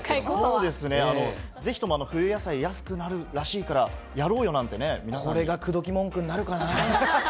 そうですね、ぜひとも冬野菜安くなるらしいから、やろうよなこれが口説き文句になるかな。